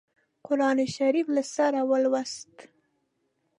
قرآن شریف له سره ولووست.